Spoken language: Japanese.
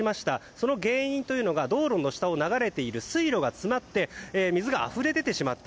その原因が道路の下を流れている水路が詰まって水があふれ出てしまった。